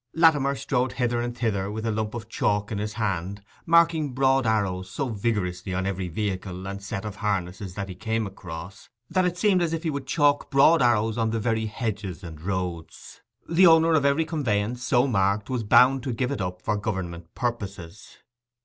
Latimer strode hither and thither with a lump of chalk in his hand, marking broad arrows so vigorously on every vehicle and set of harness that he came across, that it seemed as if he would chalk broad arrows on the very hedges and roads. The owner of every conveyance so marked was bound to give it up for Government purposes.